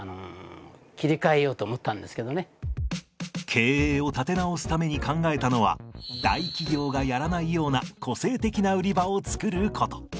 経営を立て直すために考えたのは大企業がやらないような個性的な売り場を作ること。